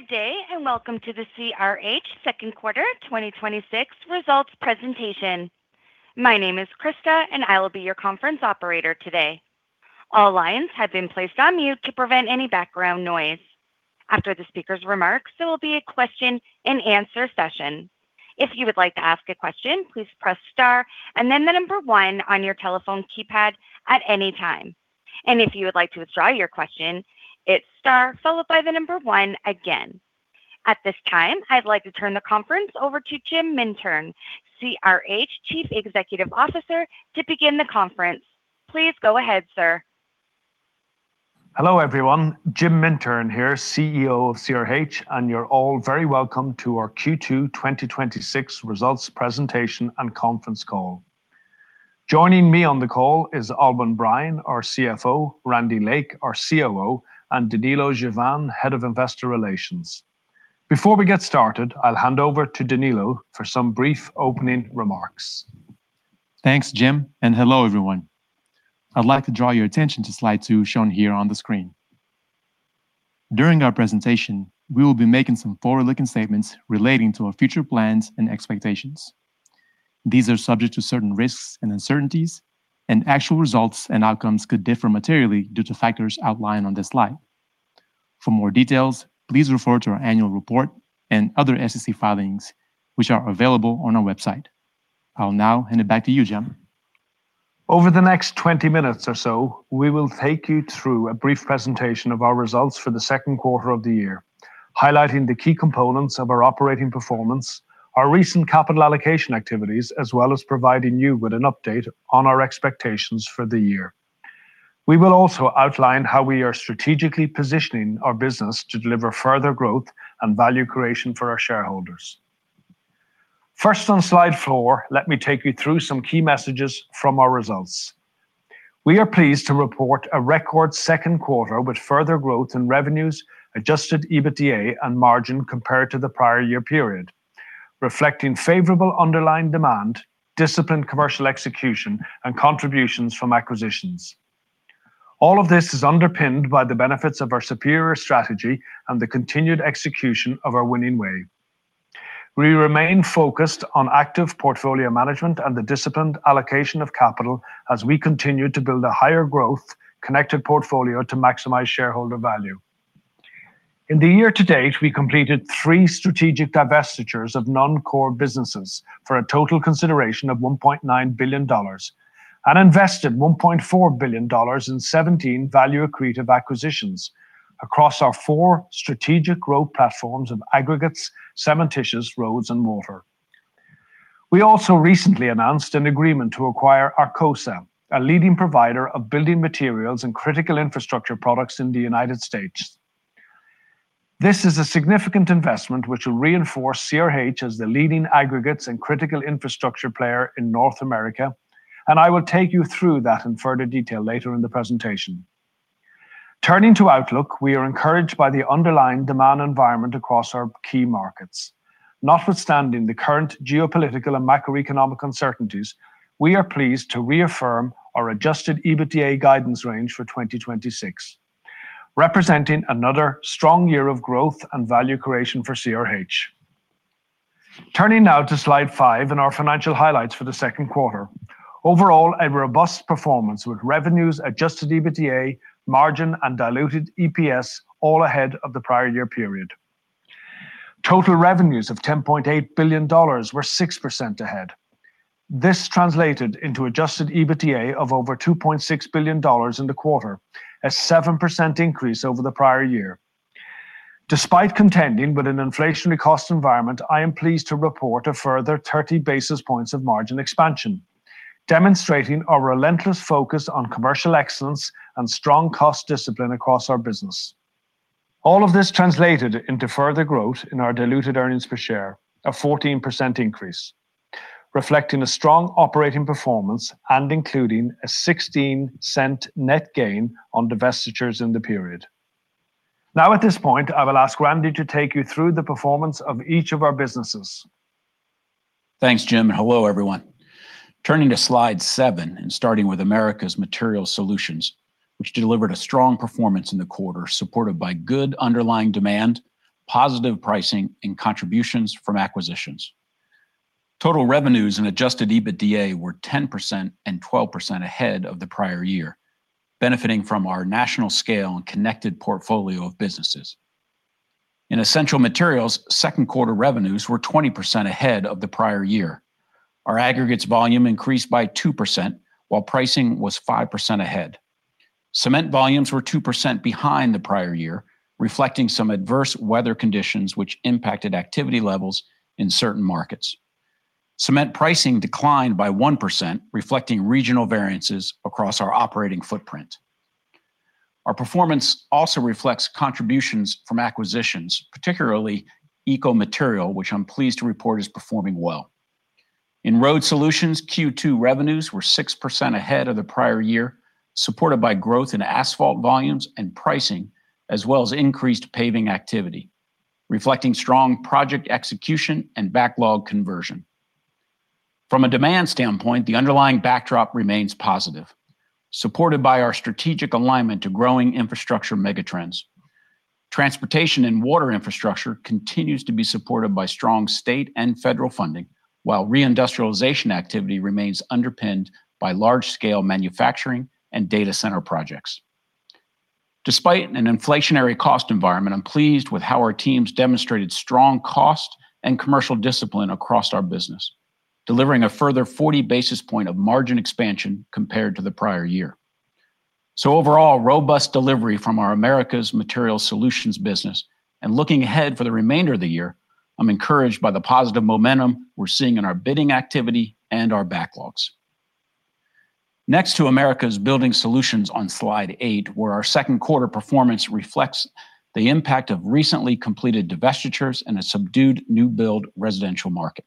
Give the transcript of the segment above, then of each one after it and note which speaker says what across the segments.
Speaker 1: Good day, welcome to the CRH second quarter 2026 results presentation. My name is Krista; I will be your conference operator today. All lines have been placed on mute to prevent any background noise. After the speaker's remarks, there will be a question-and-answer session. If you would like to ask a question, please press star then the number one on your telephone keypad at any time. If you would like to withdraw your question, its star followed by the number one again. At this time, I'd like to turn the conference over to Jim Mintern, CRH Chief Executive Officer, to begin the conference. Please go ahead, sir.
Speaker 2: Hello, everyone. Jim Mintern here, CEO of CRH, you're all very welcome to our Q2 2026 results presentation and conference call. Joining me on the call is Aylwyn Bryan, our CFO, Randy Lake, our COO, and Danilo Juvane, Head of Investor Relations. Before we get started, I'll hand over to Danilo for some brief opening remarks.
Speaker 3: Thanks, Jim, hello, everyone. I'd like to draw your attention to Slide 2, shown here on the screen. During our presentation, we will be making some forward-looking statements relating to our future plans and expectations. These are subject to certain risks and uncertainties; actual results and outcomes could differ materially due to factors outlined on this slide. For more details, please refer to our annual report and other SEC filings, which are available on our website. I'll now hand it back to you, Jim.
Speaker 2: Over the next 20 minutes or so, we will take you through a brief presentation of our results for the second quarter of the year, highlighting the key components of our operating performance, our recent capital allocation activities, as well as providing you with an update on our expectations for the year. We will also outline how we are strategically positioning our business to deliver further growth and value creation for our shareholders. First, on Slide 4, let me take you through some key messages from our results. We are pleased to report a record second quarter with further growth in revenues, Adjusted EBITDA, and margin compared to the prior year period, reflecting favorable underlying demand, disciplined commercial execution, and contributions from acquisitions. All of this is underpinned by the benefits of our superior strategy and the continued execution of our winning way We remain focused on active portfolio management and the disciplined allocation of capital as we continue to build a higher growth connected portfolio to maximize shareholder value. In the year to date, we completed three strategic divestitures of non-core businesses for a total consideration of $1.9 billion and invested $1.4 billion in 17 value-accretive acquisitions across our four strategic growth platforms of aggregates, cementitious, Roads, and water. We also recently announced an agreement to acquire Arcosa, a leading provider of building materials and critical infrastructure products in the U.S. This is a significant investment which will reinforce CRH as the leading aggregates and critical infrastructure player in North America, and I will take you through that in further detail later in the presentation. Turning to outlook, we are encouraged by the underlying demand environment across our key markets. Notwithstanding the current geopolitical and macroeconomic uncertainties, we are pleased to reaffirm our Adjusted EBITDA guidance range for 2026, representing another strong year of growth and value creation for CRH. Turning now to Slide 5 and our financial highlights for the second quarter. Overall, a robust performance with revenues, Adjusted EBITDA, margin, and diluted EPS all ahead of the prior year period. Total revenues of $10.8 billion were 6% ahead. This translated into Adjusted EBITDA of over $2.6 billion in the quarter, a 7% increase over the prior year. Despite contending with an inflationary cost environment, I am pleased to report a further 30 basis points of margin expansion, demonstrating our relentless focus on commercial excellence and strong cost discipline across our business. All of this translated into further growth in our diluted earnings per share, a 14% increase, reflecting a strong operating performance and including a $0.16 net gain on divestitures in the period. Now, at this point, I will ask Randy to take you through the performance of each of our businesses.
Speaker 4: Thanks, Jim, and hello, everyone. Turning to Slide 7 and starting with Americas Materials Solutions, which delivered a strong performance in the quarter, supported by good underlying demand, positive pricing, and contributions from acquisitions. Total revenues and Adjusted EBITDA were 10% and 12% ahead of the prior year, benefiting from our national scale and connected portfolio of businesses. In Essential Materials, second quarter revenues were 20% ahead of the prior year. Our aggregates volume increased by 2%, while pricing was 5% ahead. Cement volumes were 2% behind the prior year, reflecting some adverse weather conditions which impacted activity levels in certain markets. Cement pricing declined by 1%, reflecting regional variances across our operating footprint. Our performance also reflects contributions from acquisitions, particularly Eco Material, which I'm pleased to report is performing well. In Road Solutions, Q2 revenues were 6% ahead of the prior year, supported by growth in asphalt volumes and pricing, as well as increased paving activity, reflecting strong project execution and backlog conversion. From a demand standpoint, the underlying backdrop remains positive, supported by our strategic alignment to growing infrastructure megatrends. Transportation and water infrastructure continues to be supported by strong state and federal funding, while re-industrialization activity remains underpinned by large-scale manufacturing and data center projects. Despite an inflationary cost environment, I'm pleased with how our teams demonstrated strong cost and commercial discipline across our business, delivering a further 40 basis points of margin expansion compared to the prior year. Overall, robust delivery from our Americas Materials Solutions business. Looking ahead for the remainder of the year, I'm encouraged by the positive momentum we're seeing in our bidding activity and our backlogs. Next to Americas Building Solutions on Slide 8, where our second quarter performance reflects the impact of recently completed divestitures and a subdued new build residential market.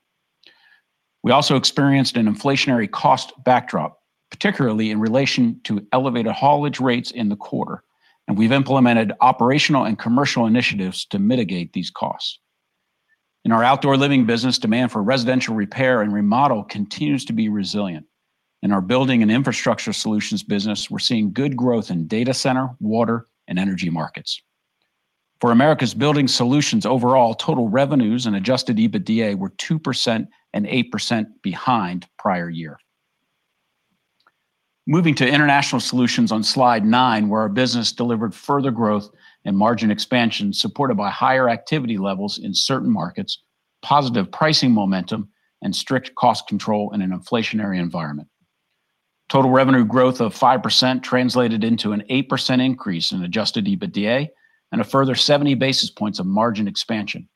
Speaker 4: We also experienced an inflationary cost backdrop, particularly in relation to elevated haulage rates in the quarter, and we've implemented operational and commercial initiatives to mitigate these costs. In our outdoor living business, demand for residential repair and remodel continues to be resilient. In our building and infrastructure solutions business, we're seeing good growth in data center, water, and energy markets. For Americas Building Solutions overall, total revenues and Adjusted EBITDA were 2% and 8% behind prior year. Moving to International Solutions on Slide 9, where our business delivered further growth and margin expansion, supported by higher activity levels in certain markets, positive pricing momentum, and strict cost control in an inflationary environment. Total revenue growth of 5% translated into an 8% increase in Adjusted EBITDA and a further 70 basis points of margin expansion,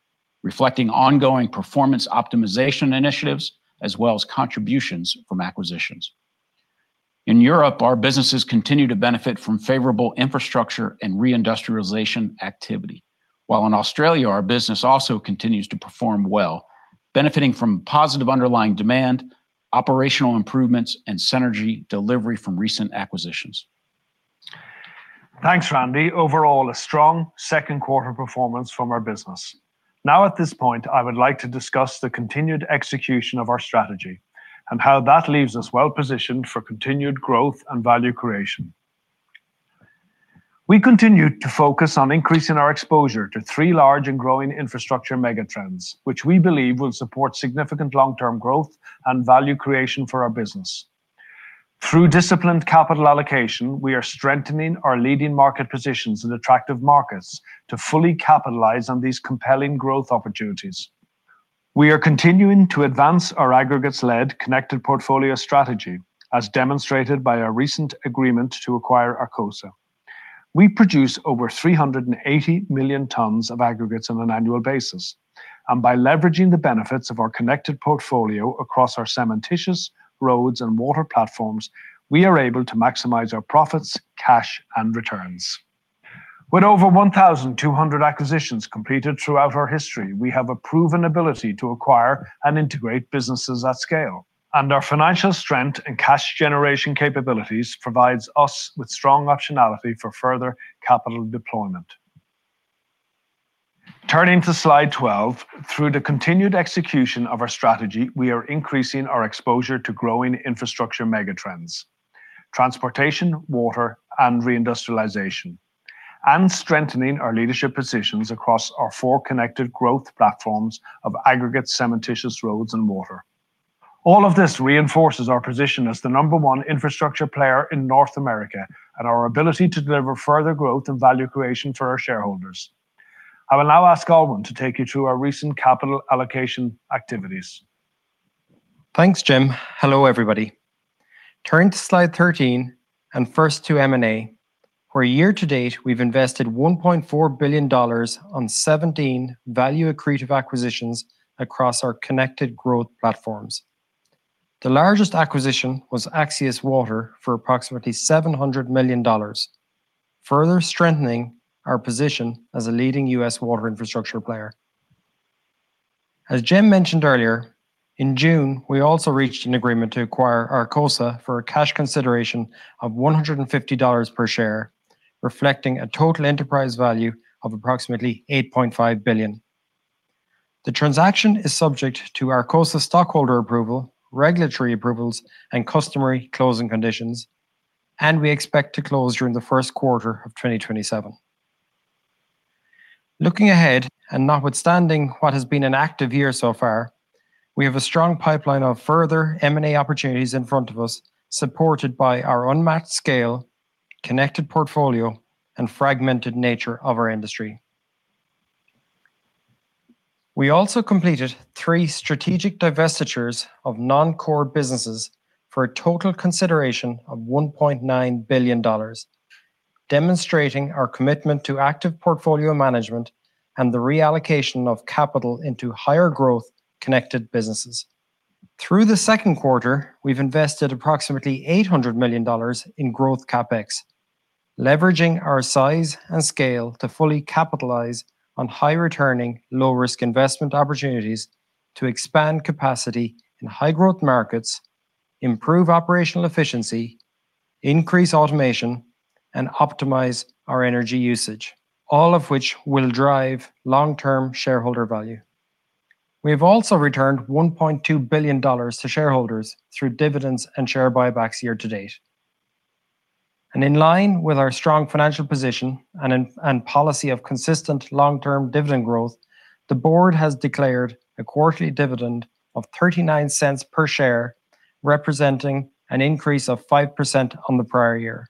Speaker 4: reflecting ongoing performance optimization initiatives, as well as contributions from acquisitions. In Europe, our businesses continue to benefit from favorable infrastructure and re-industrialization activity. While in Australia, our business also continues to perform well, benefiting from positive underlying demand, operational improvements, and synergy delivery from recent acquisitions.
Speaker 2: Thanks, Randy. Overall, a strong second quarter performance from our business. At this point, I would like to discuss the continued execution of our strategy and how that leaves us well-positioned for continued growth and value creation. We continue to focus on increasing our exposure to three large and growing infrastructure megatrends, which we believe will support significant long-term growth and value creation for our business. Through disciplined capital allocation, we are strengthening our leading market positions in attractive markets to fully capitalize on these compelling growth opportunities. We are continuing to advance our aggregates-led connected portfolio strategy, as demonstrated by our recent agreement to acquire Arcosa. We produce over 380 million tons of aggregates on an annual basis, and by leveraging the benefits of our connected portfolio across our cementitious, roads, and water platforms, we are able to maximize our profits, cash, and returns. With over 1,200 acquisitions completed throughout our history, we have a proven ability to acquire and integrate businesses at scale, and our financial strength and cash generation capabilities provides us with strong optionality for further capital deployment. Turning to Slide 12, through the continued execution of our strategy, we are increasing our exposure to growing infrastructure megatrends, transportation, water, and re-industrialization, and strengthening our leadership positions across our four connected growth platforms of aggregate, cementitious, roads, and water. All of this reinforces our position as the number one infrastructure player in North America and our ability to deliver further growth and value creation for our shareholders. I will now ask Aylwyn to take you through our recent capital allocation activities.
Speaker 5: Thanks, Jim. Hello, everybody. Turn to Slide 13 and first to M&A, where year to date, we've invested $1.4 billion on 17 value accretive acquisitions across our connected growth platforms. The largest acquisition was Axius Water for approximately $700 million, further strengthening our position as a leading U.S. water infrastructure player. As Jim mentioned earlier, in June, we also reached an agreement to acquire Arcosa for a cash consideration of $150 per share, reflecting a total enterprise value of approximately $8.5 billion. The transaction is subject to Arcosa stockholder approval, regulatory approvals, and customary closing conditions, and we expect to close during the first quarter of 2027. Looking ahead, and notwithstanding what has been an active year so far, we have a strong pipeline of further M&A opportunities in front of us, supported by our unmatched scale, connected portfolio, and fragmented nature of our industry. We also completed three strategic divestitures of non-core businesses for a total consideration of $1.9 billion, demonstrating our commitment to active portfolio management and the reallocation of capital into higher growth, connected businesses. Through the second quarter, we've invested approximately $800 million in growth CapEx, leveraging our size and scale to fully capitalize on high returning, low risk investment opportunities to expand capacity in high growth markets, improve operational efficiency Increase automation, and optimize our energy usage, all of which will drive long-term shareholder value. We have also returned $1.2 billion to shareholders through dividends and share buybacks year to date. And in line with our strong financial position and policy of consistent long-term dividend growth, the board has declared a quarterly dividend of $0.39 per share, representing an increase of 5% on the prior year.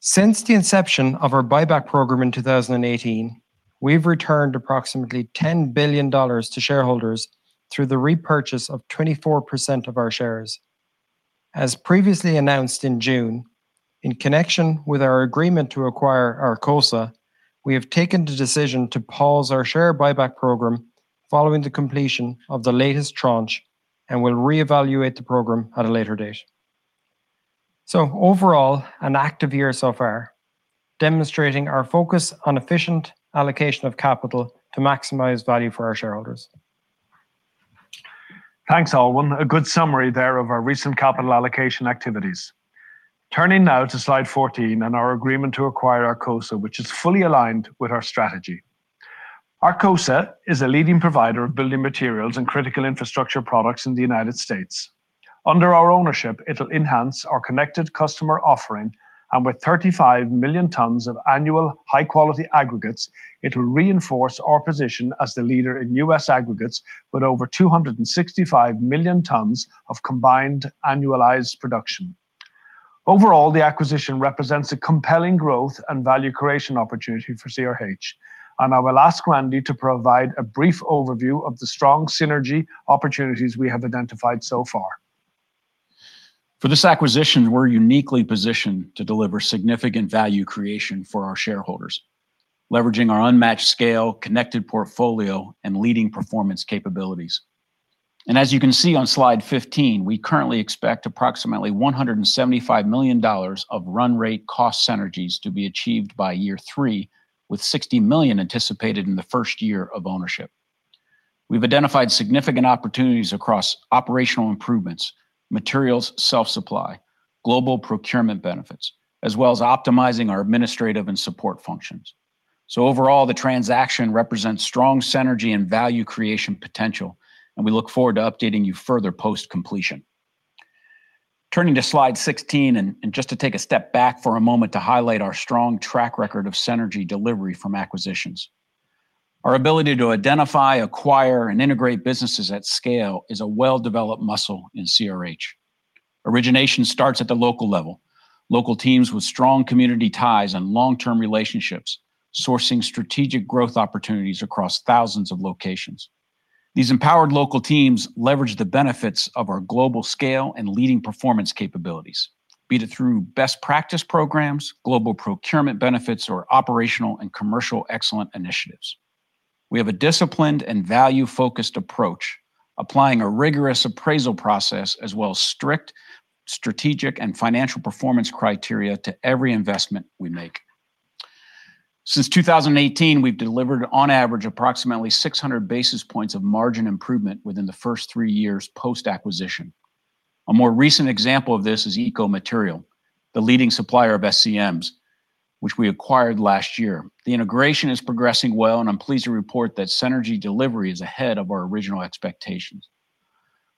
Speaker 5: Since the inception of our buyback program in 2018, we've returned approximately $10 billion to shareholders through the repurchase of 24% of our shares. As previously announced in June, in connection with our agreement to acquire Arcosa, we have taken the decision to pause our share buyback program following the completion of the latest tranche and will reevaluate the program at a later date. Overall, an active year so far, demonstrating our focus on efficient allocation of capital to maximize value for our shareholders.
Speaker 2: Thanks, Aylwyn. A good summary there of our recent capital allocation activities. Turning now to Slide 14 and our agreement to acquire Arcosa, which is fully aligned with our strategy. Arcosa is a leading provider of building materials and critical infrastructure products in the U.S. Under our ownership, it'll enhance our connected customer offering, and with 35 million tons of annual high-quality aggregates, it'll reinforce our position as the leader in U.S. aggregates with over 265 million tons of combined annualized production. Overall, the acquisition represents a compelling growth and value creation opportunity for CRH, and I will ask Randy to provide a brief overview of the strong synergy opportunities we have identified so far.
Speaker 4: For this acquisition, we're uniquely positioned to deliver significant value creation for our shareholders, leveraging our unmatched scale, connected portfolio, and leading performance capabilities. As you can see on Slide 15, we currently expect approximately $175 million of run rate cost synergies to be achieved by year three, with $60 million anticipated in the first year of ownership. We've identified significant opportunities across operational improvements, materials self-supply, global procurement benefits, as well as optimizing our administrative and support functions. Overall, the transaction represents strong synergy and value creation potential, and we look forward to updating you further post-completion. Turning to Slide 16, just to take a step back for a moment to highlight our strong track record of synergy delivery from acquisitions. Our ability to identify, acquire, and integrate businesses at scale is a well-developed muscle in CRH. Origination starts at the local level. Local teams with strong community ties and long-term relationships, sourcing strategic growth opportunities across thousands of locations. These empowered local teams leverage the benefits of our global scale and leading performance capabilities, be it through best practice programs, global procurement benefits, or operational and commercial excellent initiatives. We have a disciplined and value-focused approach, applying a rigorous appraisal process as well as strict strategic and financial performance criteria to every investment we make. Since 2018, we've delivered on average approximately 600 basis points of margin improvement within the first three years post-acquisition. A more recent example of this is Eco Material, the leading supplier of SCMs, which we acquired last year. The integration is progressing well, and I'm pleased to report that synergy delivery is ahead of our original expectations.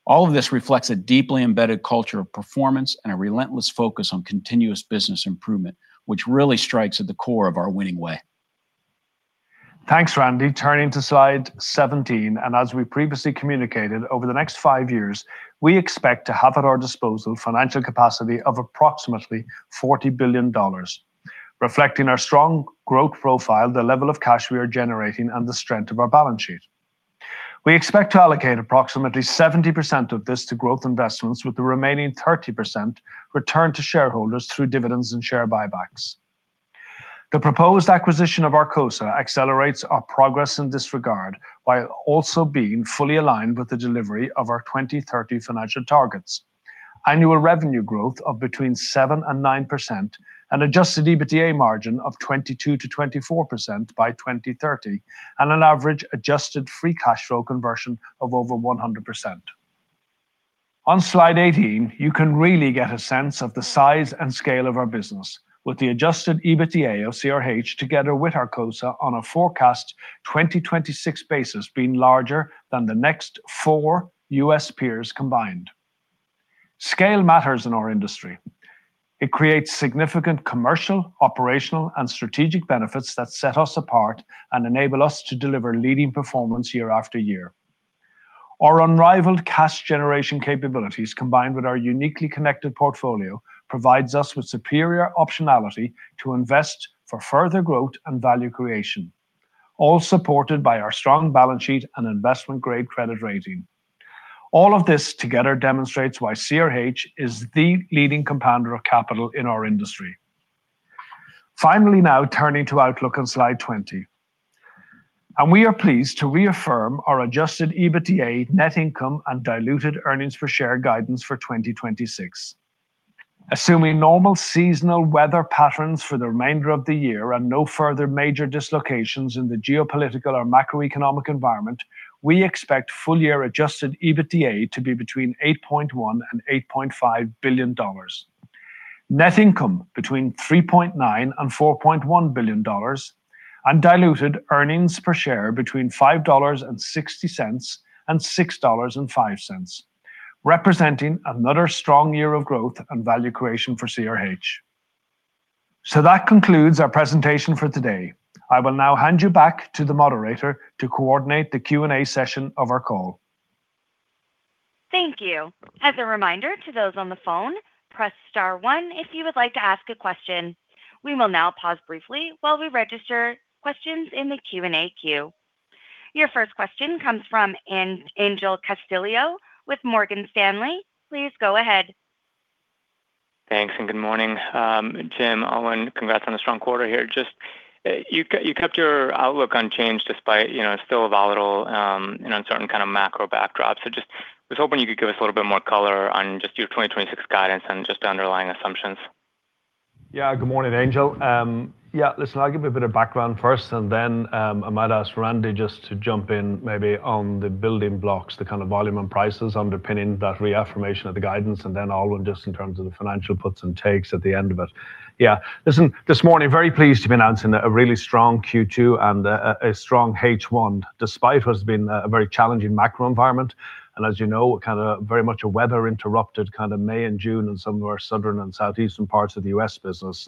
Speaker 4: All of this reflects a deeply embedded culture of performance and a relentless focus on continuous business improvement, which really strikes at the core of our winning way.
Speaker 2: Thanks, Randy. Turning to Slide 17, as we previously communicated, over the next five years, we expect to have at our disposal financial capacity of approximately $40 billion, reflecting our strong growth profile, the level of cash we are generating, and the strength of our balance sheet. We expect to allocate approximately 70% of this to growth investments, with the remaining 30% returned to shareholders through dividends and share buybacks. The proposed acquisition of Arcosa accelerates our progress in this regard, while also being fully aligned with the delivery of our 2030 financial targets. Annual revenue growth of between 7% and 9%, an Adjusted EBITDA margin of 22%-24% by 2030, and an average Adjusted FCF conversion of over 100%. On Slide 18, you can really get a sense of the size and scale of our business with the Adjusted EBITDA of CRH together with Arcosa on a forecast 2026 basis being larger than the next four U.S. peers combined. Scale matters in our industry. It creates significant commercial, operational, and strategic benefits that set us apart and enable us to deliver leading performance year after year. Our unrivaled cash generation capabilities, combined with our uniquely connected portfolio, provides us with superior optionality to invest for further growth and value creation, all supported by our strong balance sheet and investment-grade credit rating. All of this together demonstrates why CRH is the leading compounder of capital in our industry. Finally, now turning to outlook on Slide 20. We are pleased to reaffirm our Adjusted EBITDA, net income, and diluted earnings per share guidance for 2026. Assuming normal seasonal weather patterns for the remainder of the year and no further major dislocations in the geopolitical or macroeconomic environment, we expect full-year Adjusted EBITDA to be between $8.1 billion and $8.5 billion, net income between $3.9 billion and $4.1 billion, and diluted earnings per share between $5.60 and $6.05, representing another strong year of growth and value creation for CRH. That concludes our presentation for today. I will now hand you back to the moderator to coordinate the Q&A session of our call.
Speaker 1: Thank you. As a reminder to those on the phone, press star one if you would like to ask a question. We will now pause briefly while we register questions in the Q&A queue. Your first question comes from Angel Castillo with Morgan Stanley. Please go ahead.
Speaker 6: Thanks. Good morning. Jim, Aylwyn, congrats on a strong quarter here. You kept your outlook unchanged despite still a volatile and uncertain kind of macro backdrop. Was hoping you could give us a little bit more color on just your 2026 guidance and just underlying assumptions.
Speaker 2: Good morning, Angel. Listen, I'll give a bit of background first and then I might ask Randy just to jump in maybe on the building blocks, the kind of volume and prices underpinning that reaffirmation of the guidance, and then Aylwyn, just in terms of the financial puts and takes at the end of it. Listen, this morning, very pleased to be announcing a really strong Q2 and a strong H1, despite what has been a very challenging macro environment. As you know, very much a weather interrupted kind of May and June in some of our southern and southeastern parts of the U.S. business.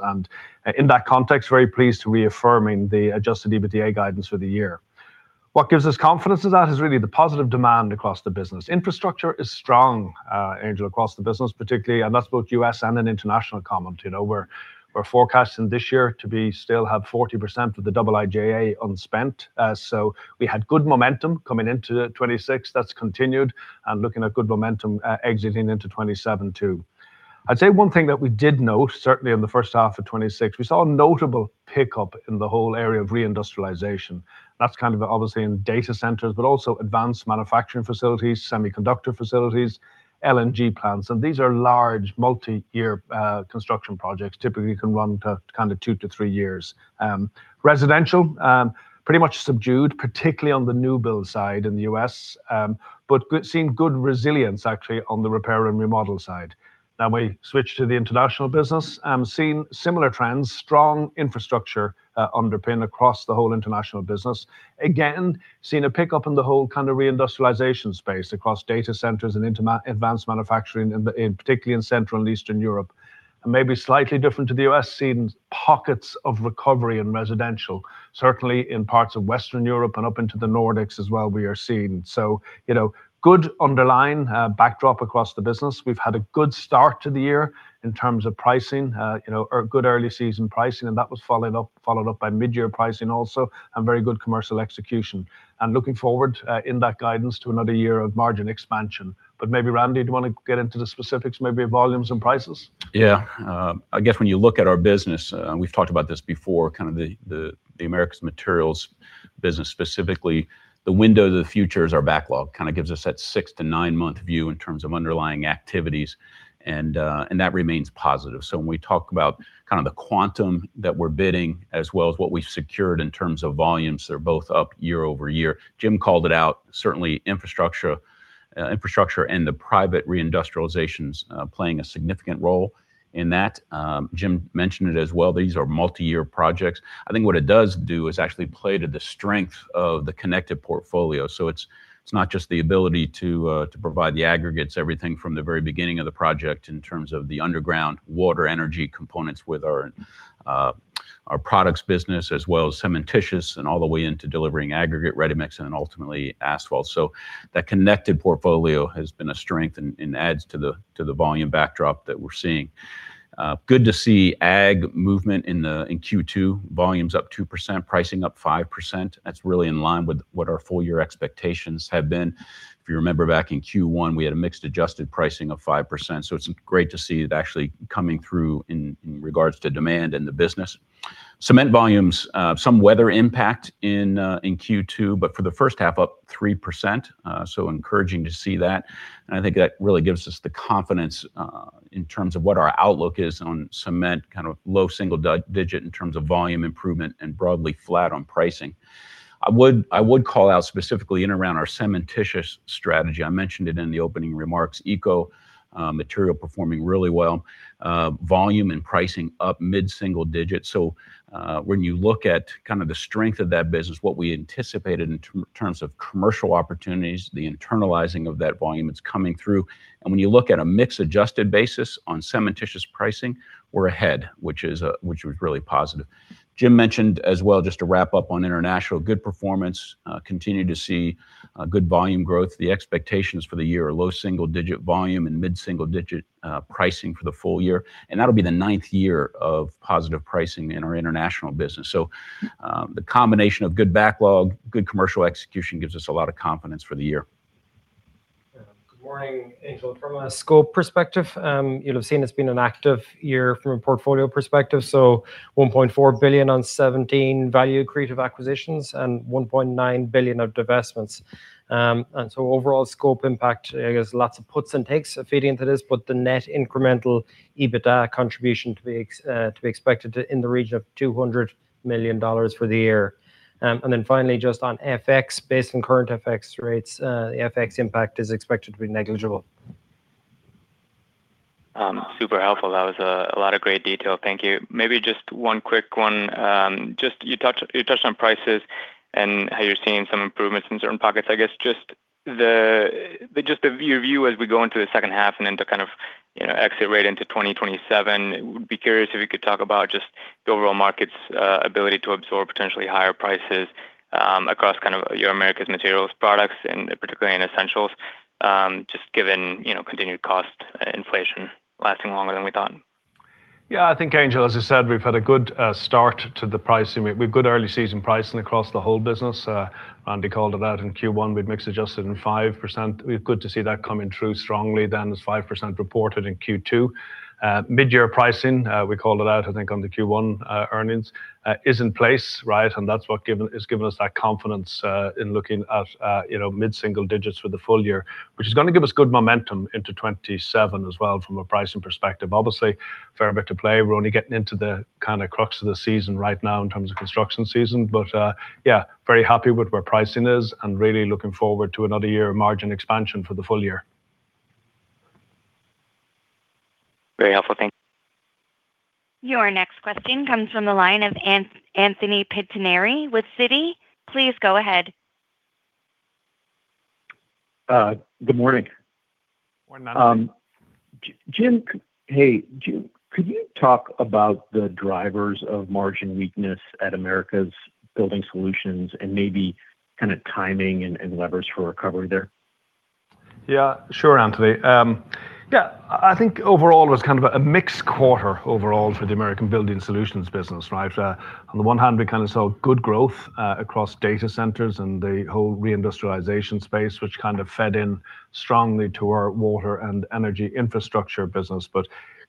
Speaker 2: In that context, very pleased to be affirming the Adjusted EBITDA guidance for the year. What gives us confidence in that is really the positive demand across the business. Infrastructure is strong, Angel, across the business particularly. That's both U.S. and an international comment. We're forecasting this year to still have 40% of the IIJA unspent. We had good momentum coming into 2026 that's continued, and looking at good momentum exiting into 2027 too. I'd say one thing that we did note, certainly in the first half of 2026, we saw a notable pickup in the whole area of reindustrialization. That's kind of obviously in data centers, but also advanced manufacturing facilities, semiconductor facilities, LNG plants. These are large multi-year construction projects, typically can run to two to three years. Residential, pretty much subdued, particularly on the new build side in the U.S. but seeing good resilience actually on the repair and remodel side. We switch to the international business, seeing similar trends, strong infrastructure underpin across the whole international business. Again, seeing a pickup in the whole kind of reindustrialization space across data centers and advanced manufacturing, particularly in Central and Eastern Europe. Maybe slightly different to the U.S., seeing pockets of recovery in residential, certainly in parts of Western Europe and up into the Nordics as well, we are seeing. Good underlying backdrop across the business. We've had a good start to the year in terms of pricing, or good early season pricing. That was followed up by mid-year pricing also, very good commercial execution. Looking forward, in that guidance, to another year of margin expansion. Maybe Randy, do you want to get into the specifics, maybe volumes and prices?
Speaker 4: Yeah. I guess when you look at our business, and we've talked about this before, the Americas Materials business specifically. The window to the future is our backlog. Kind of gives us that six to nine-month view in terms of underlying activities, and that remains positive. When we talk about the quantum that we're bidding as well as what we've secured in terms of volumes, they're both up year-over-year. Jim called it out, certainly infrastructure and the private reindustrialization's playing a significant role in that. Jim mentioned it as well; these are multi-year projects. I think what it does do is actually play to the strength of the connected portfolio. It's not just the ability to provide the aggregates, everything from the very beginning of the project in terms of the underground water, energy components with our products business as well as cementitious, and all the way into delivering aggregate ready-mix and then ultimately asphalt. That connected portfolio has been a strength and adds to the volume backdrop that we're seeing. Good to see Agg movement in Q2. Volumes up 2%, pricing up 5%. That's really in line with what our full-year expectations have been. If you remember back in Q1, we had a mixed adjusted pricing of 5%, so it's great to see it actually coming through in regard to demand and the business. Cement volumes, some weather impact in Q2, but for the first half, up 3%, so encouraging to see that. I think that really gives us the confidence in terms of what our outlook is on cement, kind of low single digit in terms of volume improvement and broadly flat on pricing. I would call out specifically in and around our cementitious strategy. I mentioned it in the opening remarks. Eco Material performing really well. Volume and pricing up mid-single digits. When you look at the strength of that business, what we anticipated in terms of commercial opportunities, the internalizing of that volume, it's coming through. When you look at a mix adjusted basis on cementitious pricing, we're ahead, which was really positive. Jim mentioned as well, just to wrap up on international. Good performance. Continue to see good volume growth. The expectations for the year are low single digit volume and mid-single digit pricing for the full year. That'll be the ninth year of positive pricing in our international business. The combination of good backlog, good commercial execution gives us a lot of confidence for the year.
Speaker 5: Good morning, Angel. From a scope perspective, you'll have seen it's been an active year from a portfolio perspective. $1.4 billion on 17 value accretive acquisitions and $1.9 billion of divestments. Overall scope impact, I guess lots of puts and takes feeding into this, but the net incremental EBITDA contribution to be expected in the region of $200 million for the year. Finally, just on FX. Based on current FX rates, the FX impact is expected to be negligible.
Speaker 6: Super helpful. That was a lot of great detail. Thank you. Maybe just one quick one. You touched on prices and how you're seeing some improvements in certain pockets. I guess just your view as we go into the second half and to exit into 2027. Would be curious if you could talk about just the overall market's ability to absorb potentially higher prices across your Americas Materials products, and particularly in Essential Materials, just given continued cost inflation lasting longer than we thought.
Speaker 2: Yeah. I think, Angel, as I said, we've had a good start to the pricing. We've good early season pricing across the whole business. Randy called it out in Q1 with mix adjusted in 5%. We've good to see that coming through strongly as 5% reported in Q2. Mid-year pricing, we called it out, I think, on the Q1 earnings, is in place. Right? That's what has given us that confidence in looking at mid-single digits for the full year, which is going to give us good momentum into 2027 as well from a pricing perspective. Obviously, fair bit to play. We're only getting into the crux of the season right now in terms of construction season. Yeah, very happy with where pricing is and really looking forward to another year of margin expansion for the full year.
Speaker 6: Very helpful. Thank you.
Speaker 1: Your next question comes from the line of Anthony Pettinari with Citi. Please go ahead.
Speaker 7: Good morning.
Speaker 2: Morning.
Speaker 7: Jim, could you talk about the drivers of margin weakness at Americas Building Solutions and maybe timing and levers for recovery there?
Speaker 2: Yeah. Sure, Anthony. Yeah. I think overall it was a mixed quarter overall for the Americas Building Solutions business. Right? On the one hand, we saw good growth across data centers and the whole reindustrialization space, which fed in strongly to our water and energy infrastructure business.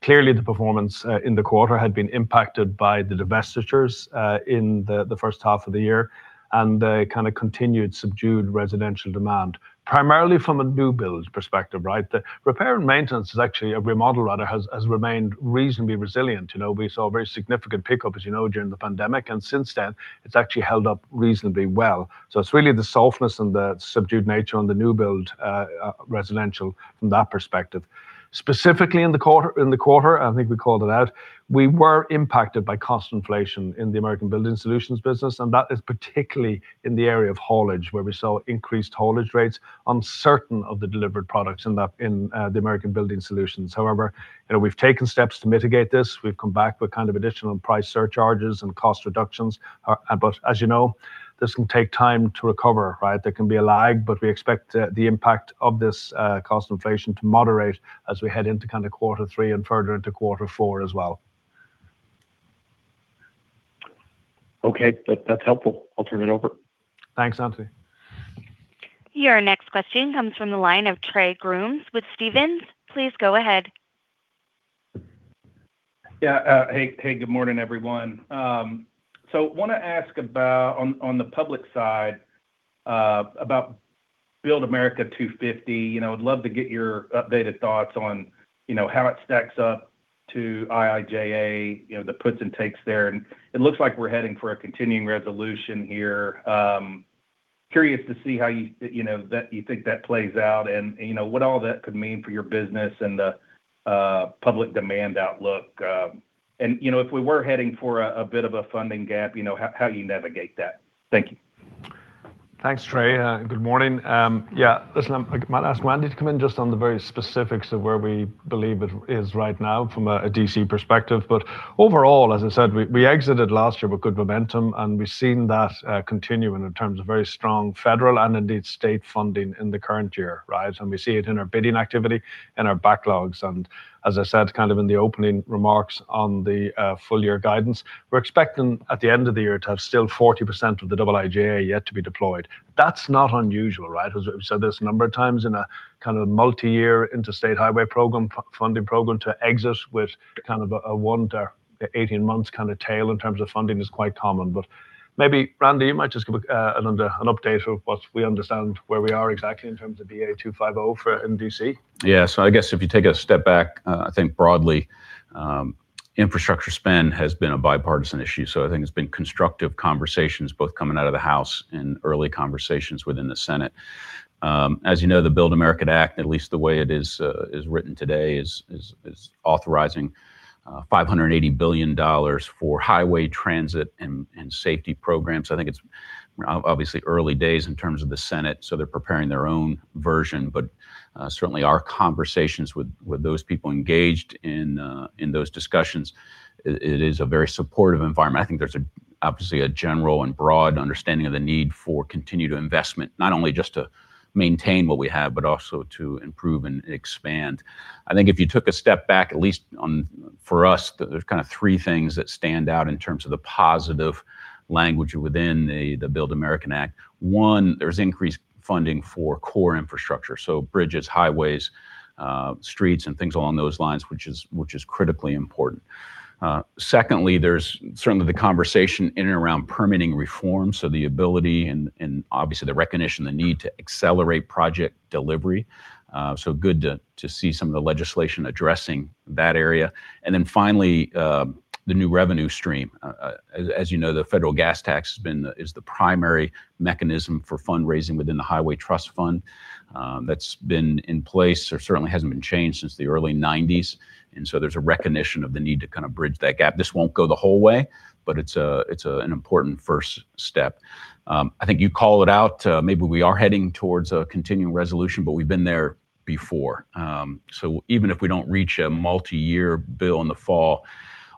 Speaker 2: Clearly the performance in the quarter had been impacted by the divestitures in the first half of the year and the continued subdued residential demand, primarily from a new build perspective, right? The repair and maintenance is actually, a remodel rather, has remained reasonably resilient. We saw a very significant pickup, as you know, during the pandemic, and since then it's actually held up reasonably well. It's really the softness and the subdued nature on the new build residential from that perspective. Specifically in the quarter, I think we called it out, we were impacted by cost inflation in the Americas Building Solutions business, and that is particularly in the area of haulage, where we saw increased haulage rates on certain of the delivered products in the Americas Building Solutions. However, we've taken steps to mitigate this. We've come back with additional price surcharges and cost reductions. As you know, this can take time to recover, right? There can be a lag, but we expect the impact of this cost inflation to moderate as we head into quarter three and further into quarter four as well.
Speaker 7: Okay. That's helpful. I'll turn it over.
Speaker 2: Thanks, Anthony.
Speaker 1: Your next question comes from the line of Trey Grooms with Stephens. Please go ahead.
Speaker 8: Good morning, everyone. Want to ask about on the public side, about BUILD America 250. I would love to get your updated thoughts on how it stacks up to IIJA, the puts and takes there. It looks like we're heading for a continuing resolution here. Curious to see how you think that plays out and what all that could mean for your business and the public demand outlook. If we were heading for a bit of a funding gap, how you navigate that. Thank you.
Speaker 2: Thanks, Trey. Good morning. Listen, I might ask Randy to come in just on the very specifics of where we believe it is right now from a D.C. perspective. Overall, as I said, we exited last year with good momentum, and we've seen that continue in terms of very strong federal and indeed state funding in the current year. Right? We see it in our bidding activity and our backlogs. As I said in the opening remarks on the full year guidance, we're expecting at the end of the year to have still 40% of the IIJA yet to be deployed. That's not unusual, right? As we've said this a number of times in a multi-year interstate highway funding program to exit with a one to 18 months tail in terms of funding is quite common. Maybe, Randy, you might just give an update of what we understand where we are exactly in terms of BA 250 for MDC.
Speaker 4: I guess if you take a step back, I think broadly, infrastructure spend has been a bipartisan issue. I think it's been constructive conversations both coming out of the House and early conversations within the Senate. As you know, the BUILD America Act, at least the way it is written today, is authorizing $580 billion for highway transit and safety programs. I think it's obviously early days in terms of the Senate, so they're preparing their own version. Certainly, our conversations with those people engaged in those discussions, it is a very supportive environment. I think there's obviously a general and broad understanding of the need for continued investment, not only just to maintain what we have, but also to improve and expand. I think if you took a step back, at least for us, there's three things that stand out in terms of the positive language within the BUILD America Act. One, there's increased funding for core infrastructure, so bridges, highways, streets, and things along those lines, which is critically important. Secondly, there's certainly the conversation in and around permitting reform, so the ability and obviously the recognition, the need to accelerate project delivery. Good to see some of the legislation addressing that area. Finally, the new revenue stream. As you know, the federal gas tax is the primary mechanism for fundraising within the Highway Trust Fund. That's been in place or certainly hasn't been changed since the early 1990s. There's a recognition of the need to bridge that gap. This won't go the whole way, but it's an important first step. I think you call it out, maybe we are heading towards a continuing resolution, but we've been there before. Even if we don't reach a multi-year bill in the fall,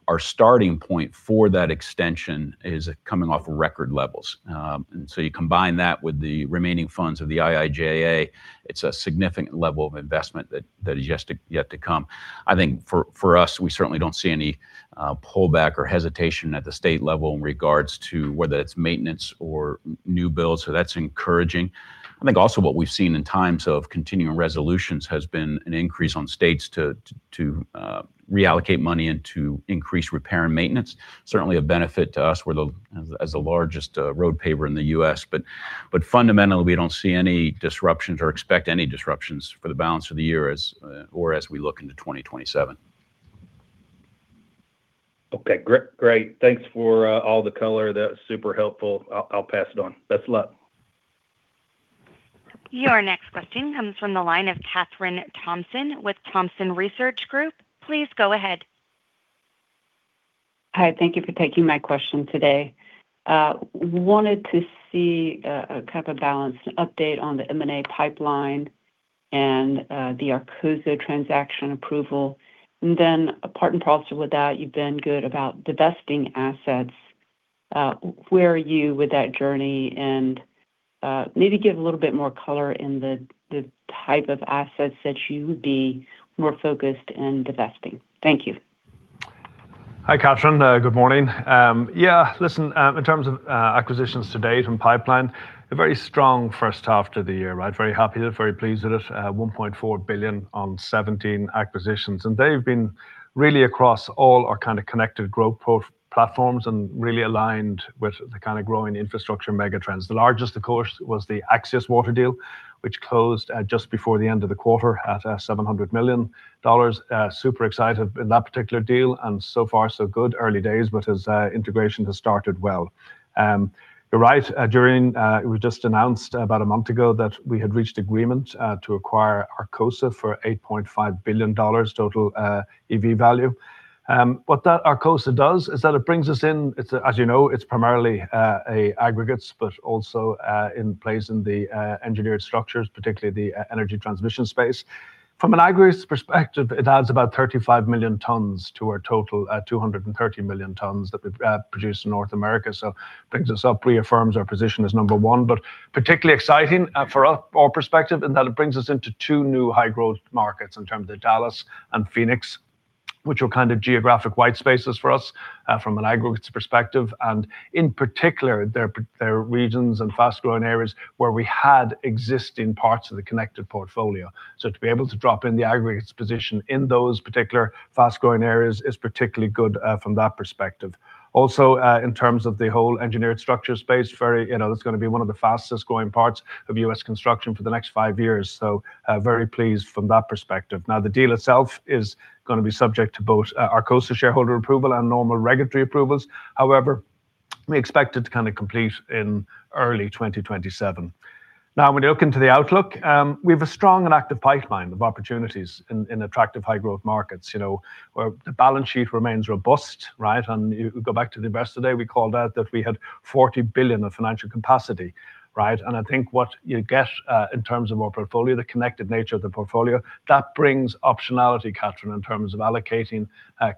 Speaker 4: our starting point for that extension is coming off record levels. You combine that with the remaining funds of the IIJA, it's a significant level of investment that is yet to come. I think for us, we certainly don't see any pullback or hesitation at the state level in regard to whether it's maintenance or new builds. That's encouraging. I think also what we've seen in times of continuing resolutions has been an increase on states to reallocate money and to increase repair and maintenance. Certainly, a benefit to us as the largest road paver in the U.S. Fundamentally, we don't see any disruptions or expect any disruptions for the balance of the year or as we look into 2027.
Speaker 8: Okay. Great. Thanks for all the color. That was super helpful. I'll pass it on. Best of luck.
Speaker 1: Your next question comes from the line of Kathryn Thompson with Thompson Research Group. Please go ahead.
Speaker 9: Hi, thank you for taking my question today. Wanted to see a kind of balanced update on the M&A pipeline and the Arcosa transaction approval. Apart and perhaps with that, you've been good about divesting assets. Where are you with that journey and maybe give a little bit more color in the type of assets that you would be more focused in divesting. Thank you.
Speaker 2: Hi, Kathryn. Good morning. Listen, in terms of acquisitions to date and pipeline, a very strong first half to the year. Very happy with it, very pleased with it. $1.4 billion on 17 acquisitions. They've been really across all our kind of connected growth platforms and really aligned with the kind of growing infrastructure mega trends. The largest, of course, was the Axius Water deal, which closed just before the end of the quarter at $700 million. Super excited with that particular deal, and so far, so good. Early days, but its integration has started well. You're right. It was just announced about a month ago that we had reached agreement to acquire Arcosa for $8.5 billion total EV value. What Arcosa does is that it brings us in, as you know, it's primarily aggregates, but also in place in the engineered structures, particularly the energy transmission space. From an aggregates perspective, it adds about 35 million tons to our total, 230 million tons that we produce in North America. Brings us up, reaffirms our position as number 1. Particularly exciting for our perspective in that it brings us into two new high growth markets in terms of Dallas and Phoenix, which are kind of geographic white spaces for us from an aggregate's perspective. In particular, they are regions and fast-growing areas where we had existing parts of the connected portfolio. To be able to drop in the aggregates position in those particular fast-growing areas is particularly good from that perspective. Also, in terms of the whole engineered structure space, that's going to be one of the fastest-growing parts of U.S. construction for the next five years. Very pleased from that perspective. The deal itself is going to be subject to both Arcosa shareholder approval and normal regulatory approvals. However, we expect it to complete in early 2027. When you look into the outlook, we've a strong and active pipeline of opportunities in attractive high growth markets. The balance sheet remains robust. You go back to the investor day, we called out that we had $40 billion of financial capacity. I think what you get in terms of our portfolio, the connected nature of the portfolio, that brings optionality, Kathryn, in terms of allocating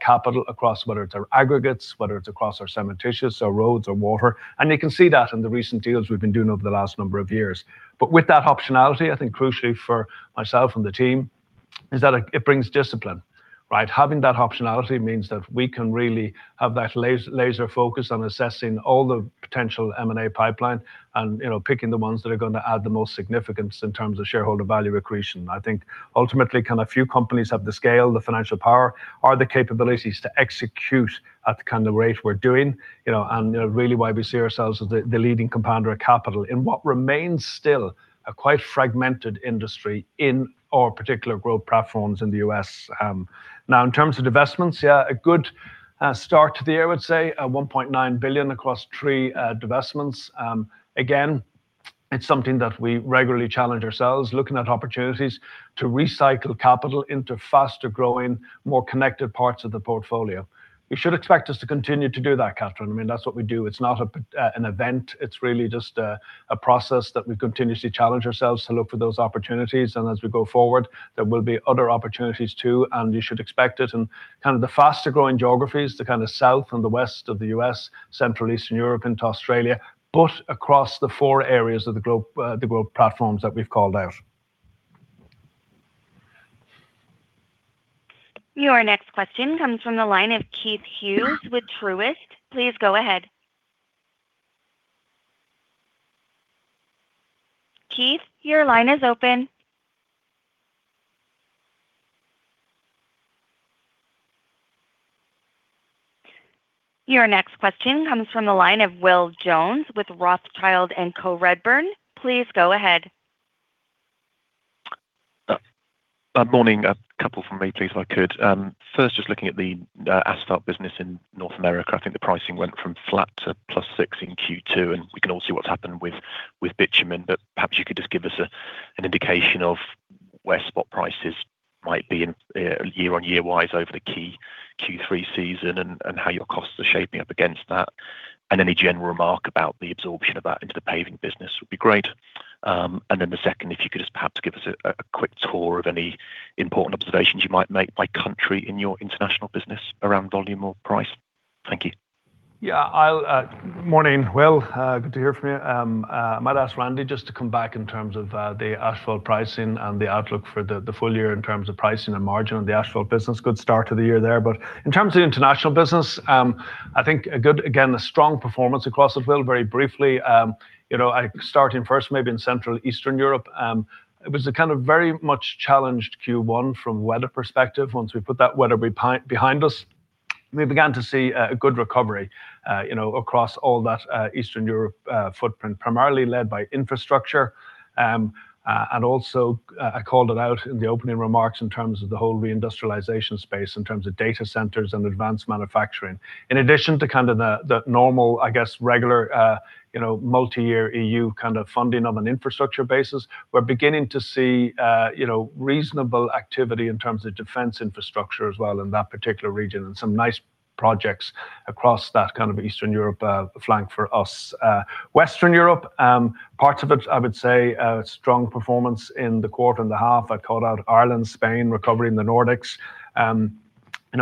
Speaker 2: capital across, whether it's our aggregates, whether it's across our cementitious, or roads, or water. You can see that in the recent deals we've been doing over the last number of years. With that optionality, I think crucially for myself, and the team is that it brings discipline. Having that optionality means that we can really have that laser focus on assessing all the potential M&A pipeline and picking the ones that are going to add the most significance in terms of shareholder value accretion. I think ultimately, kind of few companies have the scale, the financial power, or the capabilities to execute at the kind of rate we're doing. Really why we see ourselves as the leading compounder of capital in what remains still a quite fragmented industry in our particular growth platforms in the U.S. In terms of divestments, a good start to the year, I would say. $1.9 billion across three divestments. Again, it's something that we regularly challenge ourselves, looking at opportunities to recycle capital into faster growing, more connected parts of the portfolio. You should expect us to continue to do that, Kathryn. I mean, that's what we do. It's not an event. It's really just a process that we continuously challenge ourselves to look for those opportunities. As we go forward, there will be other opportunities too, and you should expect it. Kind of the faster-growing geographies, the kind of south and the west of the U.S., central Eastern Europe into Australia, but across the four areas of the growth platforms that we've called out.
Speaker 1: Your next question comes from the line of Keith Hughes with Truist. Please go ahead. Keith, your line is open. Your next question comes from the line of Will Jones with Rothschild & Co Redburn. Please go ahead.
Speaker 10: Morning. A couple from me, please, if I could. First, just looking at the asphalt business in North America. I think the pricing went from flat to +6 in Q2, and we can all see what's happened with bitumen. Perhaps you could just give us an indication of where spot prices might be year-on-year wise over the key Q3 season and how your costs are shaping up against that, and any general remark about the absorption of that into the paving business would be great. The second, if you could just perhaps give us a quick tour of any important observations you might make by country in your international business around volume or price. Thank you.
Speaker 2: Yeah. Morning, Will. Good to hear from you. I might ask Randy just to come back in terms of the asphalt pricing and the outlook for the full year in terms of pricing and margin on the asphalt business. Good start to the year there. In terms of the international business, I think a good, again, a strong performance across it, Will. Very briefly, starting first maybe in Central Eastern Europe. It was a kind of very much challenged Q1 from weather perspective. Once we put that weather behind us, we began to see a good recovery across all that Eastern Europe footprint, primarily led by infrastructure. I called it out in the opening remarks in terms of the whole reindustrialization space, in terms of data centers and advanced manufacturing. In addition to the normal, I guess, regular multi-year EU kind of funding on an infrastructure basis, we're beginning to see reasonable activity in terms of defense infrastructure as well in that particular region and some nice projects across that kind of Eastern Europe flank for us. Western Europe, parts of it, I would say, strong performance in the quarter and the half. I called out Ireland, Spain, recovery in the Nordics.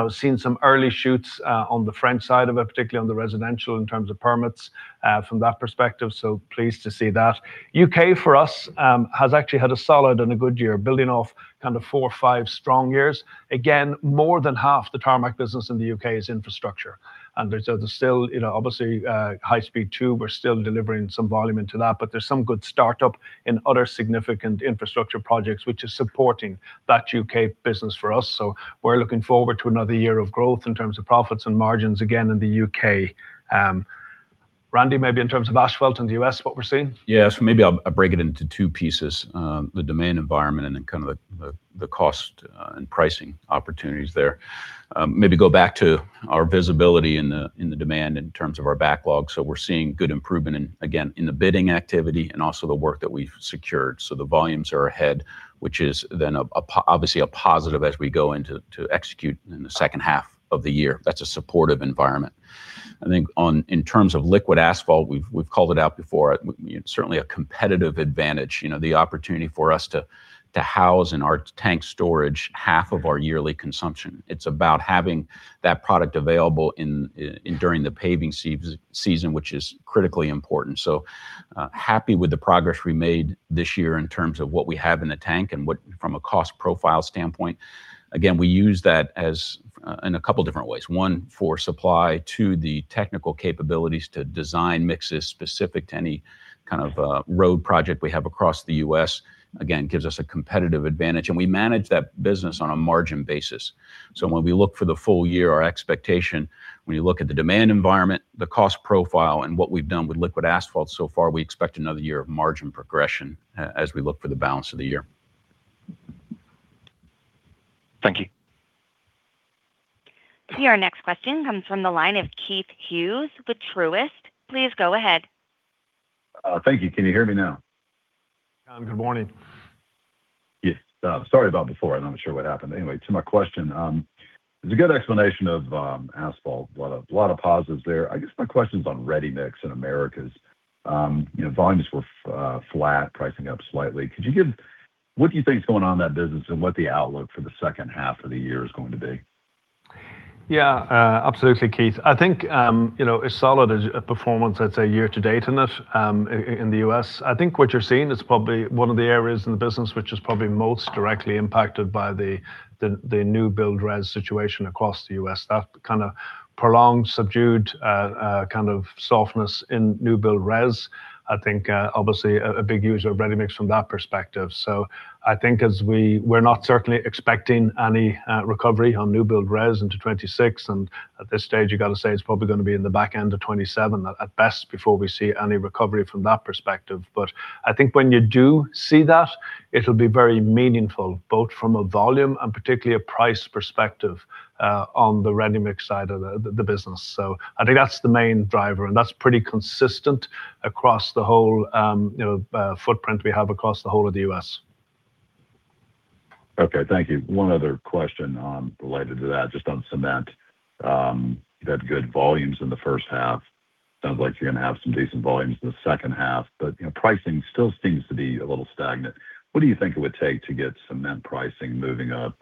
Speaker 2: Seeing some early shoots on the French side of it, particularly on the residential in terms of permits from that perspective, so pleased to see that. U.K., for us, has actually had a solid and a good year, building off four or five strong years. Again, more than half the Tarmac business in the U.K. is infrastructure. There's still, obviously, High Speed 2, we're still delivering some volume into that, but there's some good startup in other significant infrastructure projects, which is supporting that U.K. business for us. We're looking forward to another year of growth in terms of profits and margins again in the U.K. Randy, maybe in terms of asphalt in the U.S., what we're seeing?
Speaker 4: Yes. Maybe I'll break it into two pieces. The demand environment and then the cost and pricing opportunities there. Maybe go back to our visibility in the demand in terms of our backlog. We're seeing good improvement in, again, in the bidding activity and also the work that we've secured. The volumes are ahead, which is then, obviously, a positive as we go into execute in the second half of the year. That's a supportive environment. I think in terms of liquid asphalt, we've called it out before. Certainly, a competitive advantage, the opportunity for us to house in our tank storage half of our yearly consumption. It's about having that product available during the paving season, which is critically important. Happy with the progress we made this year in terms of what we have in the tank and from a cost profile standpoint. Again, we use that in a couple different ways. One, for supply. Two, the technical capabilities to design mixes specific to any kind of road project we have across the U.S. Again, gives us a competitive advantage. We manage that business on a margin basis. When we look for the full year, our expectation, when you look at the demand environment, the cost profile, and what we've done with liquid asphalt so far, we expect another year of margin progression as we look for the balance of the year.
Speaker 10: Thank you.
Speaker 1: Our next question comes from the line of Keith Hughes, Truist. Please go ahead.
Speaker 11: Thank you. Can you hear me now?
Speaker 2: Good morning.
Speaker 11: Yes. Sorry about before. I'm not sure what happened. Anyway, to my question. It was a good explanation of asphalt. A lot of positives there. I guess my questions on ready-mix in Americas. Volumes were flat, pricing up slightly. What do you think is going on in that business and what the outlook for the second half of the year is going to be?
Speaker 2: Absolutely, Keith. I think a solid performance, I'd say year to date in it in the U.S. I think what you're seeing is probably one of the areas in the business which is probably most directly impacted by the new build res situation across the U.S. That kind of prolonged, subdued kind of softness in new build res, I think obviously a big user of ready-mix from that perspective. I think we're not certainly expecting any recovery on new build res into 2026, and at this stage, you got to say it's probably going to be in the back end of 2027 at best before we see any recovery from that perspective. I think when you do see that, it'll be very meaningful, both from a volume and particularly a price perspective on the ready-mix side of the business. I think that's the main driver, and that's pretty consistent across the whole footprint we have across the whole of the U.S.
Speaker 11: Okay. Thank you. One other question related to that, just on cement. You've had good volumes in the first half. Sounds like you're going to have some decent volumes in the second half. Pricing still seems to be a little stagnant. What do you think it would take to get cement pricing moving up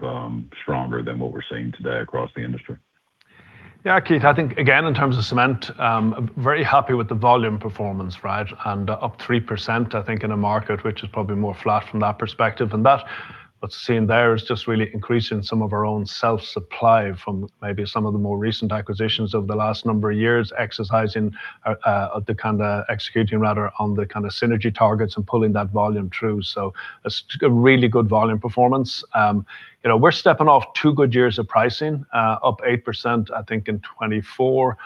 Speaker 11: stronger than what we're seeing today across the industry?
Speaker 2: Yeah, Keith. I think, again, in terms of cement, very happy with the volume performance. Up 3%, I think, in a market which is probably more flat from that perspective. That what's seen there is just really increasing some of our own self-supply from maybe some of the more recent acquisitions over the last number of years, exercising or executing rather on the kind of synergy targets and pulling that volume through. A really good volume performance. We're stepping off two good years of pricing, up 8% I think in 2024,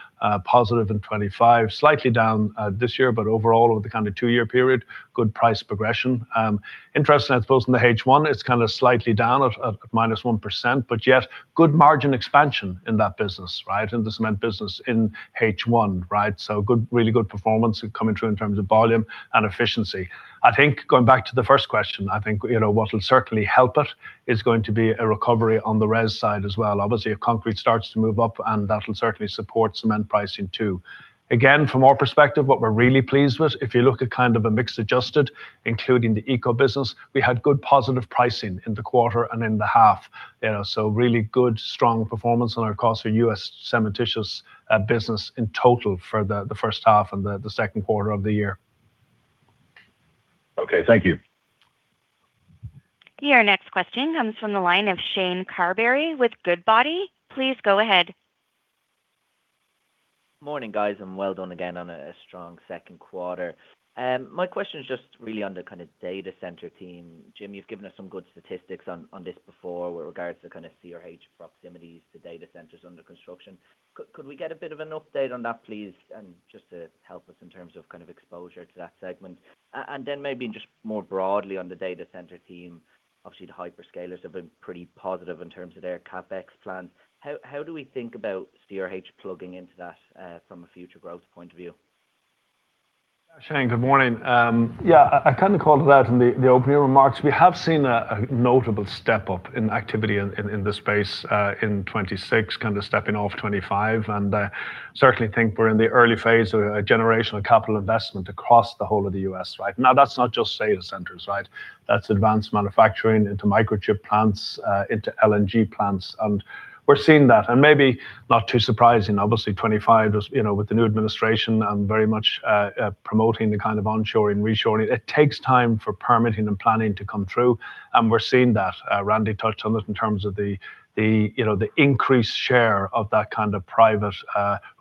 Speaker 2: positive in 2025. Slightly down this year, but overall, over the kind of two-year period, good price progression. Interesting, I suppose, in the H1, it's kind of slightly down at -1%, but yet good margin expansion in that business, in the cement business in H1. Really good performance coming through in terms of volume and efficiency. I think, going back to the first question, I think what will certainly help it is going to be a recovery on the res side as well. Obviously, if concrete starts to move up, that'll certainly support cement pricing too. Again, from our perspective, what we're really pleased with, if you look at kind of a mix adjusted, including the Eco business, we had good positive pricing in the quarter and in the half. Really good, strong performance on our cost for U.S. cementitious business in total for the first half and the second quarter of the year.
Speaker 11: Okay, thank you.
Speaker 1: Your next question comes from the line of Shane Carberry with Goodbody. Please go ahead.
Speaker 12: Morning, guys. Well done again on a strong second quarter. My question is just really on the kind of data center team. Jim, you've given us some good statistics on this before with regards to kind of CRH proximities to data centers under construction. Could we get a bit of an update on that, please? Just to help us in terms of kind of exposure to that segment. Then maybe just more broadly on the data center team, obviously the hyperscalers have been pretty positive in terms of their CapEx plan. How do we think about CRH plugging into that from a future growth point of view?
Speaker 2: Shane, good morning. I kind of called it out in the opening remarks. We have seen a notable step-up in activity in this space in 2026, kind of stepping off 2025. I certainly think we're in the early phase of a generational capital investment across the whole of the U.S. Now, that's not just data centers. That's advanced manufacturing into microchip plants, into LNG plants. We're seeing that, and maybe not too surprising. Obviously 2025 was with the new administration and very much promoting the kind of onshoring, reshoring. It takes time for permitting and planning to come through, and we're seeing that. Randy touched on it in terms of the increased share of that kind of private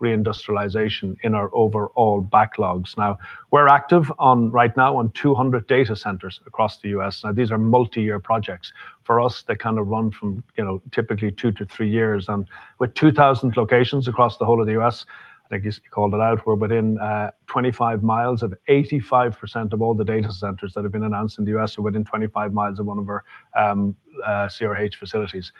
Speaker 2: reindustrialization in our overall backlogs. Now, we're active right now on 200 data centers across the U.S. Now, these are multi-year projects. For us, they kind of run from typically two to three years. With 2,000 locations across the whole of the U.S., I think you called it out, we're within 25 miles of 85% of all the data centers that have been announced in the U.S. are within 25 miles of one of our CRH facilities.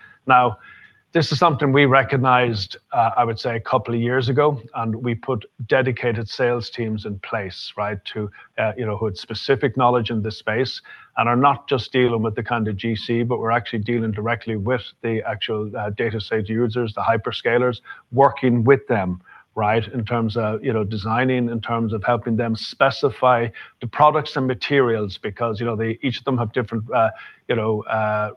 Speaker 2: This is something we recognized, I would say, a couple of years ago, and we put dedicated sales teams in place who had specific knowledge in this space and are not just dealing with the kind of GC, but we're actually dealing directly with the actual data site users, the hyperscalers, working with them in terms of designing, in terms of helping them specify the products and materials. Each of them have different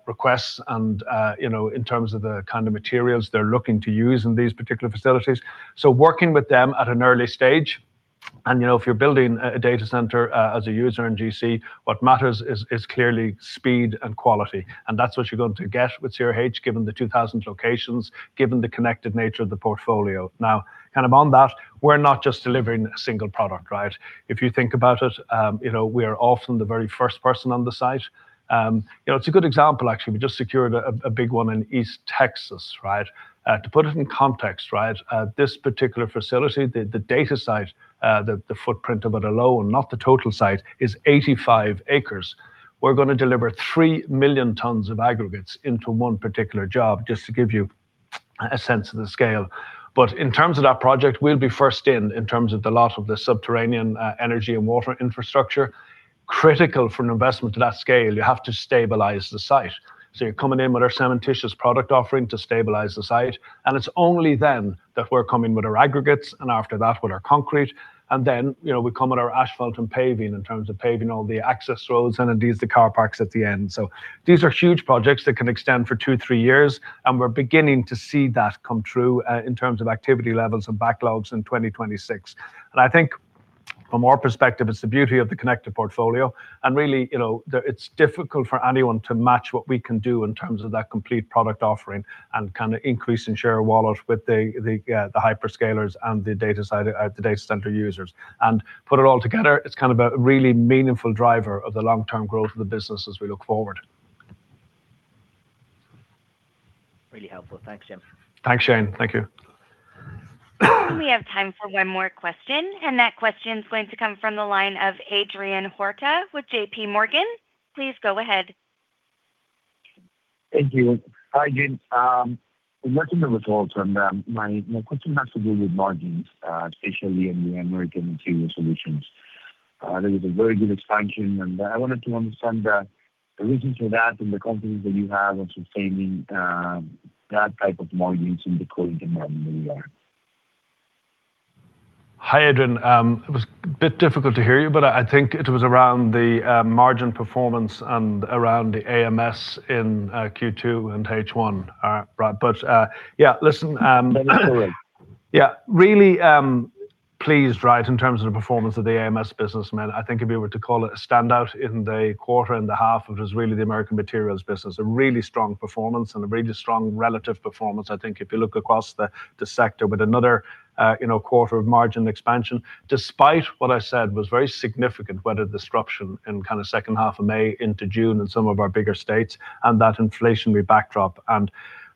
Speaker 2: requests and in terms of the kind of materials they're looking to use in these particular facilities. Working with them at an early stage. If you're building a data center as a user in GC, what matters is clearly speed and quality. That's what you're going to get with CRH, given the 2,000 locations, given the connected nature of the portfolio. Kind of on that, we're not just delivering a single product. If you think about it, we are often the very first person on the site. It's a good example, actually. We just secured a big one in East Texas. To put it in context, this particular facility, the data site, the footprint of it alone, not the total site, is 85 acres. We're going to deliver 3 million tons of aggregates into one particular job, just to give you a sense of the scale. In terms of that project, we'll be first in terms of the lot of the subterranean energy and water infrastructure. Critical for an investment to that scale, you have to stabilize the site. You're coming in with our cementitious product offering to stabilize the site, and it's only then that we're coming with our aggregates, and after that, with our concrete, and then we come with our asphalt and paving in terms of paving all the access roads and then these, the car parks at the end. These are huge projects that can extend for two to three years, and we're beginning to see that come true in terms of activity levels and backlogs in 2026. I think from our perspective, it's the beauty of the connected portfolio. Really, it's difficult for anyone to match what we can do in terms of that complete product offering and kind of increasing share of wallet with the hyperscalers and the data center users. Put it all together, it's kind of a really meaningful driver of the long-term growth of the business as we look forward.
Speaker 12: Really helpful. Thanks, Jim.
Speaker 2: Thanks, Shane. Thank you.
Speaker 1: We have time for one more question. That question is going to come from the line of Adrian Huerta with J.P. Morgan. Please go ahead.
Speaker 13: Thank you. Hi, Jim. Looking at the results, my question has to do with margins, especially in the Americas Materials Solutions. There was a very good expansion. I wanted to understand the reason for that in the confidence that you have of sustaining that type of margins in the current environment that we are in.
Speaker 2: Hi, Adrian. It was a bit difficult to hear you, but I think it was around the margin performance and around the AMS in Q2 and H1.
Speaker 13: No problem
Speaker 2: Pleased, right, in terms of the performance of the Americas Materials business. I think if you were to call it a standout in the quarter and the half, it was really the Americas Materials business. A really strong performance and a really strong relative performance, I think, if you look across the sector with another quarter of margin expansion, despite what I said was very significant weather disruption in kind of second half of May into June in some of our bigger states and that inflationary backdrop.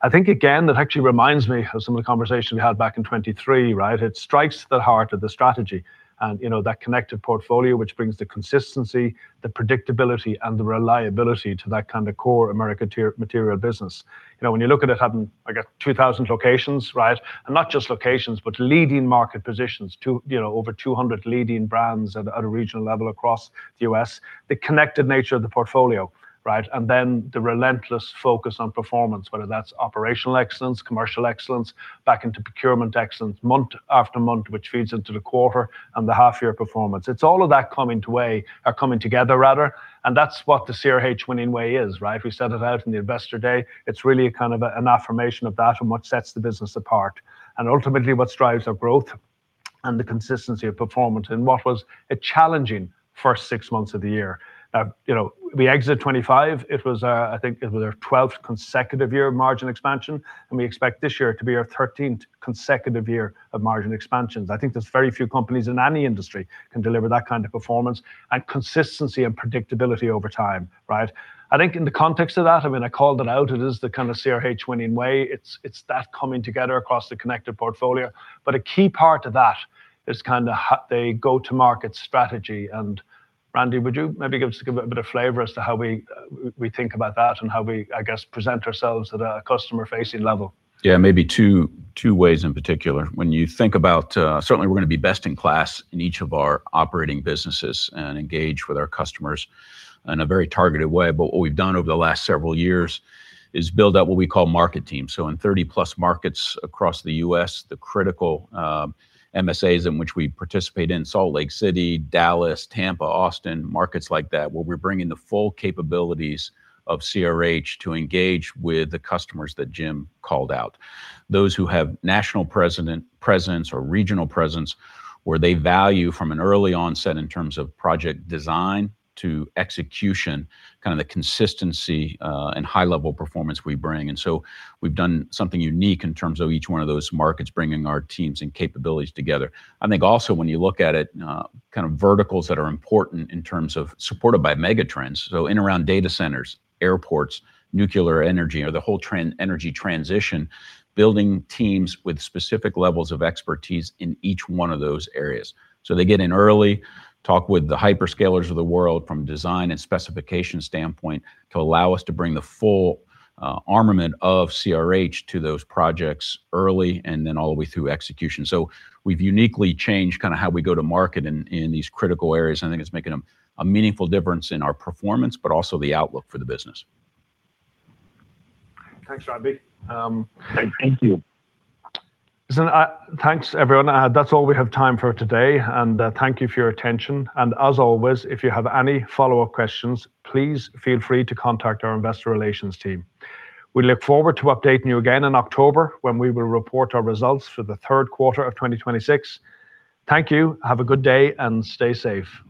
Speaker 2: I think, again, that actually reminds me of some of the conversation we had back in 2023, right? It strikes the heart of the strategy and that connected portfolio, which brings the consistency, the predictability, and the reliability to that kind of core Americas Materials business. When you look at it having, I guess, 2,000 locations, right? Not just locations, but leading market positions. Over 200 leading brands at a regional level across the U.S. The connected nature of the portfolio, right? Then the relentless focus on performance, whether that's operational excellence, commercial excellence, back into procurement excellence month after month, which feeds into the quarter and the half-year performance. It's all of that coming together, and that's what the CRH winning way is, right? We set it out in the Investor Day. It's really a kind of an affirmation of that and what sets the business apart, and ultimately what drives our growth and the consistency of performance in what was a challenging first six months of the year. We exit 2025. I think it was our 12th consecutive year of margin expansion, and we expect this year to be our 13th consecutive year of margin expansions. I think there's very few companies in any industry can deliver that kind of performance and consistency and predictability over time, right? I think in the context of that, I mean, I called it out. It is the kind of CRH winning way. It's that coming together across the connected portfolio. A key part of that is kind of the go-to-market strategy. Randy, would you maybe give us a little bit of flavor as to how we think about that and how we, I guess, present ourselves at a customer-facing level?
Speaker 4: Yeah, maybe two ways in particular. When you think about, certainly we're going to be best in class in each of our operating businesses and engage with our customers in a very targeted way. What we've done over the last several years is build out what we call market teams. In 30-plus markets across the U.S., the critical MSAs in which we participate in, Salt Lake City, Dallas, Tampa, Austin, markets like that, where we're bringing the full capabilities of CRH to engage with the customers that Jim called out. Those who have national presence or regional presence, where they value from an early onset in terms of project design to execution, kind of the consistency and high-level performance we bring. We've done something unique in terms of each one of those markets bringing our teams and capabilities together. I think also when you look at it, kind of verticals that are important in terms of supported by mega trends. In around data centers, airports, nuclear energy, or the whole energy transition, building teams with specific levels of expertise in each one of those areas. They get in early, talk with the hyperscalers of the world from design and specification standpoint to allow us to bring the full armament of CRH to those projects early and then all the way through execution. We've uniquely changed kind of how we go to market in these critical areas. I think it's making a meaningful difference in our performance, but also the outlook for the business.
Speaker 2: Thanks, Randy.
Speaker 13: Thank you.
Speaker 2: Listen, thanks, everyone. That's all we have time for today. Thank you for your attention. As always, if you have any follow-up questions, please feel free to contact our investor relations team. We look forward to updating you again in October when we will report our results for the third quarter of 2026. Thank you. Have a good day and stay safe.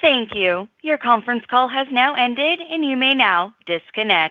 Speaker 1: Thank you. Your conference call has now ended, and you may now disconnect.